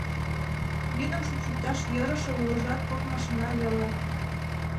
Вӱдым шупшыкташ йӧрышӧ улыжат кок машина веле.